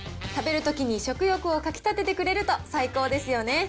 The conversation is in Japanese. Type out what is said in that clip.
食べるときに食欲をかきたててくれると最高ですよね。